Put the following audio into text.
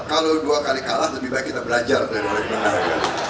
kalau dua kali kalah lebih baik kita belajar dari orang yang benar